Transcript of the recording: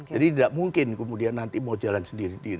jadi tidak mungkin kemudian nanti mau jalan sendiri sendiri